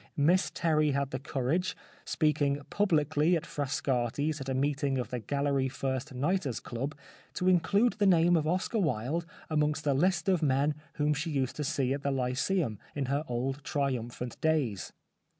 Miss Terry had the courage, speaking publicly at Frascati's at a meeting of the Gallery First Nighters' Club, to include the name of Oscar Wilde amongst a list of men whom she used to see at the Lyceum in the old triumphant days.